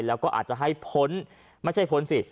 แล้วก็อาจจะให้พ้นไม่ใช่พ้นสิ